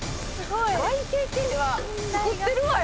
ＹＫＫは作ってるわよ。